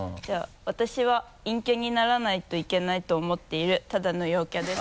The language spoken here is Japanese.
「私は陰キャにならないといけないと思っているただの陽キャです。」